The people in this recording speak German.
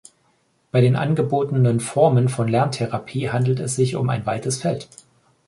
Bei den angebotenen Formen von Lerntherapie handelt es sich um ein weites Feld.